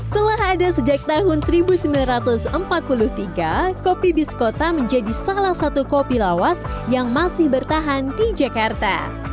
telah ada sejak tahun seribu sembilan ratus empat puluh tiga kopi biskota menjadi salah satu kopi lawas yang masih bertahan di jakarta